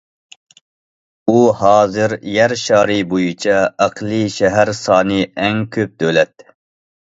ئۇ ھازىر يەر شارى بويىچە ئەقلىي شەھەر سانى ئەڭ كۆپ دۆلەت.